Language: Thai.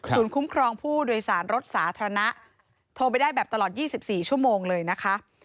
คุ้มครองผู้โดยสารรถสาธารณะโทรไปได้แบบตลอด๒๔ชั่วโมงเลยนะคะ